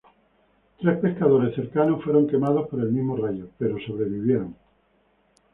Tres pescadores cercanos fueron quemados por el mismo rayo, pero sobrevivieron.